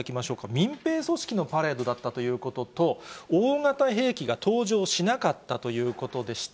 民兵組織のパレードだったということと、大型兵器が登場しなかったということでした。